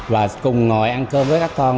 và cùng ngồi ăn cơm với các con